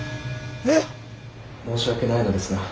えっ⁉申し訳ないのですが。